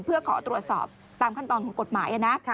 เพื่อขอตรวจสอบตามขั้นตอนของกฎหมายนะ